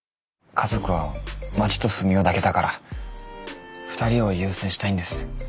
家族はまちとふみおだけだから２人を優先したいんです。